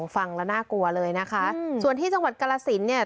ฟังแล้วน่ากลัวเลยนะคะส่วนที่จังหวัดกรสินเนี่ย